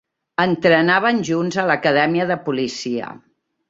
Entrenaven junts a l'acadèmia de policia.